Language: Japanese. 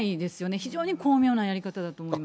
非常に巧妙なやり方だと思います。